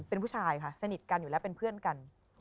เป็นผู้ชายค่ะสนิทกันอยู่แล้วเป็นเพื่อนกัน